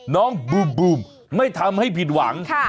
น้องบืมไม่ทำให้ผิดหวัง